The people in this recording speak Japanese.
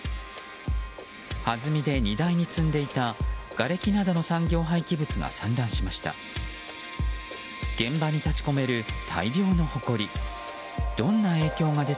はずみで、荷台に積んでいたがれきなどの産業廃棄物が散乱しました。